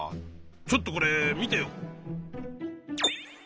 ちょっとこれ見てよ。